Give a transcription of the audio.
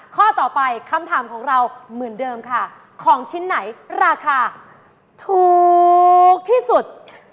ข้อต่อไปคำถามของเราเหมือนเดิมค่ะของชิ้นไหนราคาถูกที่สุด